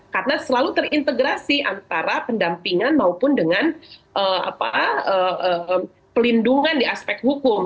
karena selalu terintegrasi antara pendampingan maupun dengan pelindungan di aspek hukum